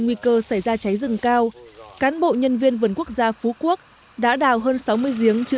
nguy cơ xảy ra cháy rừng cao cán bộ nhân viên vườn quốc gia phú quốc đã đào hơn sáu mươi giếng chữ